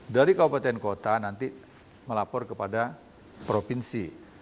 dari kabupaten kota nanti melapor kepada provinsi